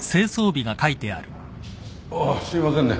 ・ああすいませんね